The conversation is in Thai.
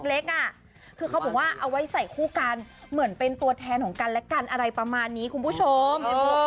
คือเขาบอกว่าเอาไว้ใส่คู่กันเหมือนเป็นตัวแทนของกันและกันอะไรประมาณนี้คุณผู้ชม